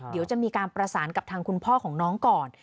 เดี๋ยวจะมีการประสานกับทางคุณพ่อของน้องก่อน